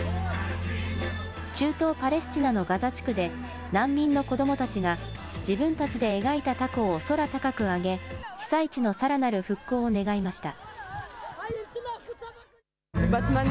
中東パレスチナのガザ地区で難民の子どもたちが自分たちで描いたたこを空高く揚げ被災地のさらなる復興を願いました。